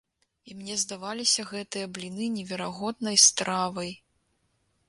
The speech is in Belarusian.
І мне здаваліся гэтыя бліны неверагоднай стравай!